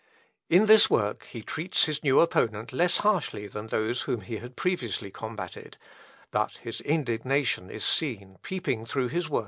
In this work he treats his new opponent less harshly than those whom he had previously combated; but his indignation is seen peeping through his words.